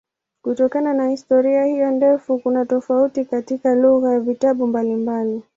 Kutokana na historia hiyo ndefu kuna tofauti katika lugha ya vitabu mbalimbali.